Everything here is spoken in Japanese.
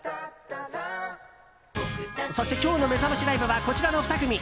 そして今日のめざましライブはこちらの２組。